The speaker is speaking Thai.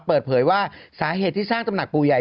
เปิดเผยว่าสาเหตุที่สร้างตำหนักปู่ใหญ่